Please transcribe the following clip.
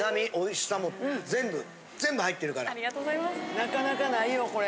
なかなかないよこれ。